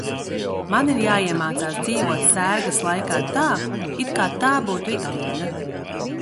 Man ir jāiemācās dzīvot sērgas laikā tā, it kā tā būtu ikdiena.